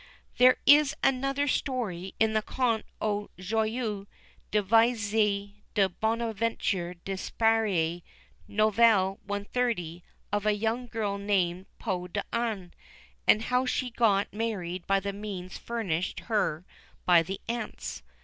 There is another story in the Contes ou Joyeux Devises de Bonaventure Desperiers, Novel 130, of a young girl named "Peau d'Ane," and "how she got married by the means furnished her by the Ants."